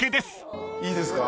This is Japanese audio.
いいですか？